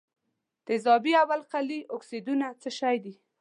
تیزابي او القلي اکسایدونه څه شی دي؟